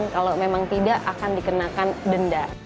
kalau memang tidak akan dikenakan denda